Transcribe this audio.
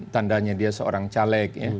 tandanya dia seorang caleg